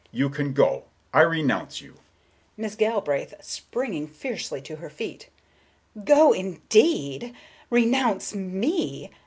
You can go! I renounce you!" Miss Galbraith, springing fiercely to her feet: "Go, indeed! Renounce me!